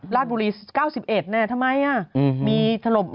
ราศบุรี๙๑เนี่ยทำไมมีถลบ